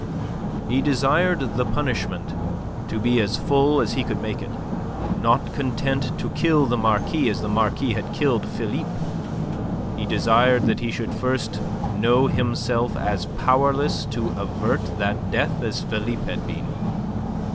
He desired the punishment to be as full as he could make it. Not content to kill the Marquis as the Marquis had killed Philippe, he desired that he should first know himself as powerless to avert that death as Philippe had been.